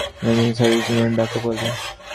Emergency service ইউনিটকে ডাকো, পলি।